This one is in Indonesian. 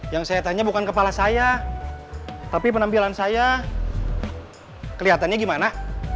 yang saya tanya bukan kepala saya tapi penampilan saya kelihatannya gimana